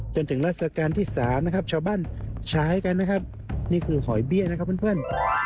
จนถึงราชการที่๓นะครับชาวบ้านฉายกันนะครับนี่คือหอยเบี้ยนะครับเพื่อน